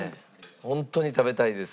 ホントに食べたいです。